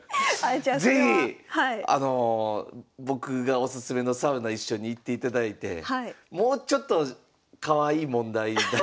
是非僕がおすすめのサウナ一緒に行っていただいてもうちょっとかわいい問題出していただきたいですね。